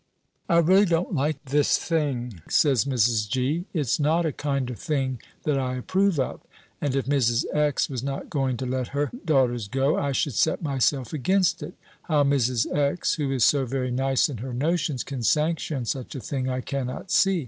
"I really don't like this thing," says Mrs. G.; "it's not a kind of thing that I approve of, and if Mrs. X. was not going to let her daughters go, I should set myself against it. How Mrs. X., who is so very nice in her notions, can sanction such a thing, I cannot see.